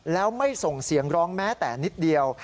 แล้วไม่ส่งเสียงร้องแม้แต่นิดเดียว